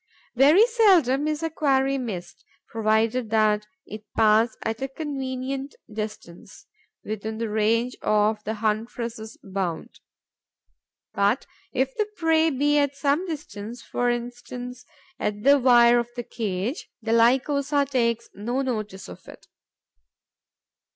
Very seldom is a quarry missed, provided that it pass at a convenient distance, within the range of the huntress' bound. But, if the prey be at some distance, for instance on the wire of the cage, the Lycosa takes no notice of it.